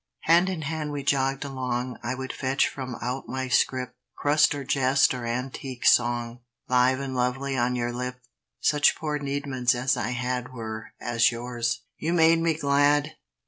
Hand in hand we jogged along; I would fetch from out my scrip, Crust or jest or antique song, Live and lovely, on your lip, Such poor needments as I had Were as yours; you made me glad.